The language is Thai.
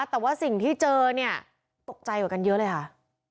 แต่ว่าสิ่งที่เจอเนี่ยตกใจกว่ากันเยอะเลยค่ะ